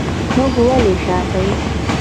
موږ ولې شاته یو